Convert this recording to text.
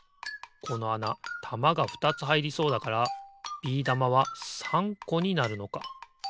このあなたまがふたつはいりそうだからビー玉は３こになるのか。